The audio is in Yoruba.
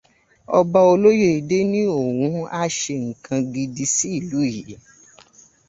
Ọba Olóyédé ní òun á ṣe nǹkan gidi sí ìlú yìí